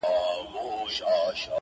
چي د کوچ خبر یې جام د اجل راسي-